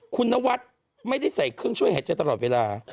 คุณนวัดไม่ได้ใส่เครื่องช่วยหายใจตลอดเวลา